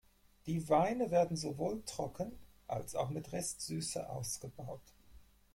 Die Weine werden sowohl trocken als auch mit Restsüße ausgebaut.